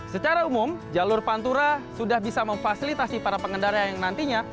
secara umum jalur pantura sudah bisa memfasilitasi para pengendara yang nantinya